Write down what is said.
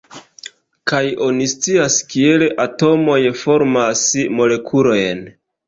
Kaj oni scias, kiel atomoj formas molekulojn.